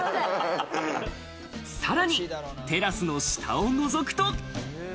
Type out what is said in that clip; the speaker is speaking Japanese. さらにテラスの下を覗くと。